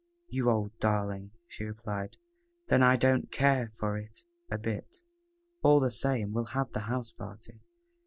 "You old darling," she replied, "then I don't care for it a bit." "All the same we'll have the house party."